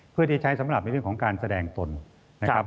เพื่อที่ใช้สำหรับในเรื่องของการแสดงตนนะครับ